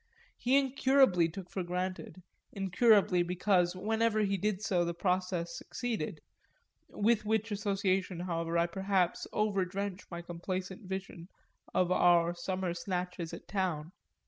He incurably took for granted incurably because whenever he did so the process succeeded; with which association, however, I perhaps overdrench my complacent vision of our summer snatches at town.